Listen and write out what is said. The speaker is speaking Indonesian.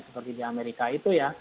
seperti di amerika itu ya